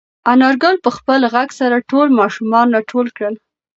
انارګل په خپل غږ سره ټول ماشومان راټول کړل.